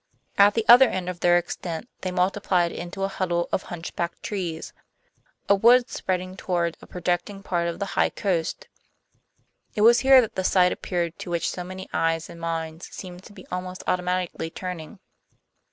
At the other end of their extent they multiplied into a huddle of hunchbacked trees, a wood spreading toward a projecting part of the high coast. It was here that the sight appeared to which so many eyes and minds seemed to be almost automatically turning.